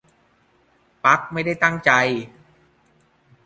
- บั๊ก ไม่ตั้งใจ